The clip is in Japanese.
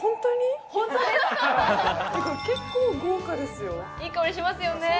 結構豪華ですよいい香りしますよね